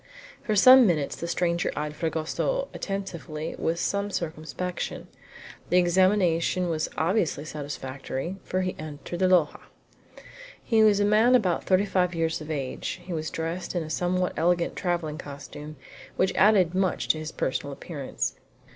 For some minutes the stranger eyed Fragoso attentively with some circumspection. The examination was obviously satisfactory, for he entered the loja. He was a man about thirty five years of age. He was dressed in a somewhat elegant traveling costume, which added much to his personal appearance.